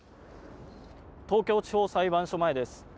東京地方裁判所前です。